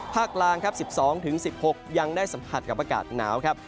กลางครับ๑๒๑๖ยังได้สัมผัสกับอากาศหนาวครับ